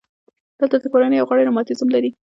دلته د کورنۍ یو غړی رماتیزم لري.